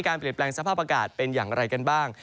เปลี่ยนแปลงสภาพอากาศเป็นอย่างไรกันบ้าง